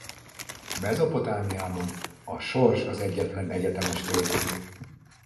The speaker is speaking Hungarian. Mezopotámiában a Sors az egyetlen egyetemes törvény.